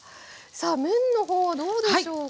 さあ麺の方どうでしょうか。